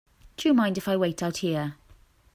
Do you mind if I wait out here?